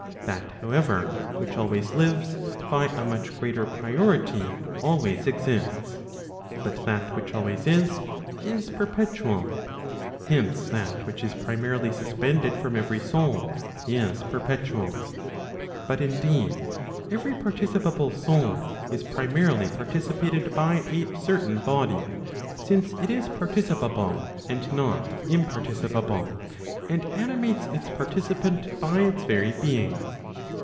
That, however, which always lives, by a much greater priority always exists. But that which always is, is perpetual. Hence, that which is primarily suspended from every soul, is perpetual. But indeed every participable soul is primarily participated by a certain body, since it is participable and not imparticipable, and animates its participant by its very being.